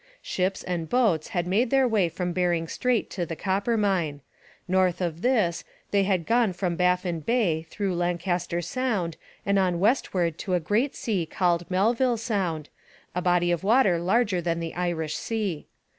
Ships and boats had made their way from Bering Strait to the Coppermine. North of this they had gone from Baffin Bay through Lancaster Sound and on westward to a great sea called Melville Sound, a body of water larger than the Irish Sea.